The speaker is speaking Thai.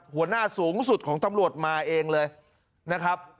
หัวหน้าสูงสุดของตำรวจมาเองเลยนะครับ